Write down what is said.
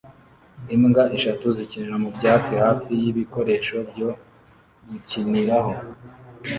Imbwa eshatu zikinira mu byatsi hafi y'ibikoresho byo gukiniraho